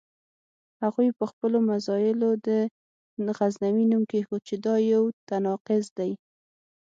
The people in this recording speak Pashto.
هغوی په خپلو مزایلو د غزنوي نوم کېښود چې دا یو تناقض دی.